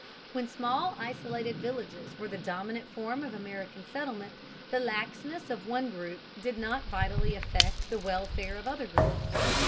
When small isolated villages were the dominant form of American settlement, the laxness of one group did not vitally affect the welfare of other groups.